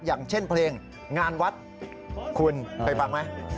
อย่างเช่นเพลงงานวัดคุณเคยฟังไหม